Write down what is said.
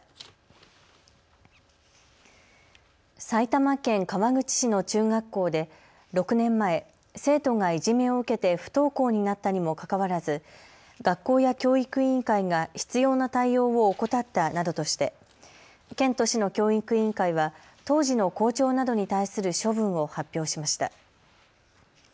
埼玉県川口市の中学校で６年前、生徒がいじめを受けて不登校になったにもかかわらず学校や教育委員会が必要な対応を怠ったなどとして県と市の教育委員会は当時の校長などに対する処分を発表しました。